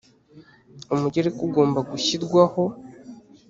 umugereka ugomba gushyirwaho.